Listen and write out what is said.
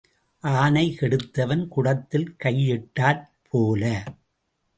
ஆனை கெடுத்தவன் குடத்தில் கை இட்டாற் போல.